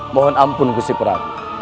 mohon ampun gusipra